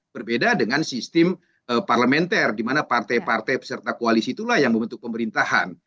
berbeda dengan sistem parlementer di mana partai partai peserta koalisi itulah yang membentuk pemerintahan